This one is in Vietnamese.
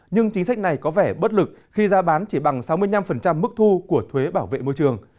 nhưng chính sách này có vẻ bất lực khi ra bán chỉ bằng sáu mươi năm mức thu của thuế bảo vệ môi trường